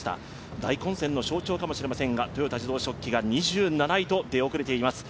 大混戦の象徴かもしれませんが、豊田自動織機が２７位と出遅れています。